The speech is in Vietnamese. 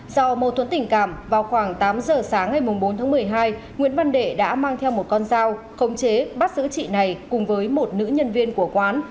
do mâu thuẫn tình cảm vào khoảng tám giờ sáng ngày bốn tháng một mươi hai nguyễn văn đệ đã mang theo một con dao không chế bắt giữ chị này cùng với một nữ nhân viên của quán